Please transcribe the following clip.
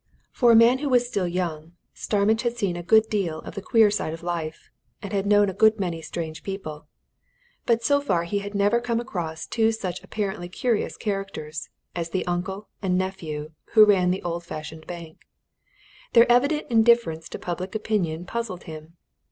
For a man who was still young, Starmidge had seen a good deal of the queer side of life, and had known a good many strange people, but so far he had never come across two such apparently curious characters as the uncle and nephew who ran the old fashioned bank. Their evident indifference to public opinion puzzled him.